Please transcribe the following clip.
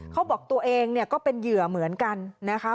เขาบอกตัวเองเนี่ยก็เป็นเหยื่อเหมือนกันนะคะ